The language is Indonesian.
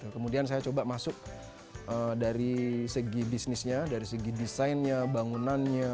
kemudian saya coba masuk dari segi bisnisnya dari segi desainnya bangunannya